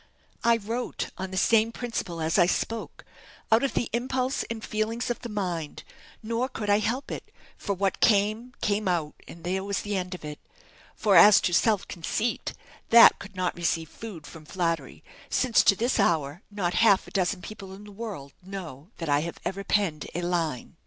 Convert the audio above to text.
I wrote on the same principle as I spoke out of the impulse and feelings of the mind; nor could I help it, for what came, came out, and there was the end of it. For as to self conceit, that could not receive food from flattery, since to this hour, not half a dozen people in the world know that I have ever penned a line.